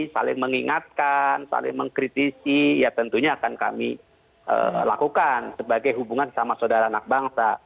saling mengingatkan saling mengkritisi ya tentunya akan kami lakukan sebagai hubungan sama saudara anak bangsa